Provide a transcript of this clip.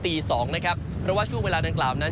นะครับเพราะว่าช่วงเวลาดังกล่าวนั้น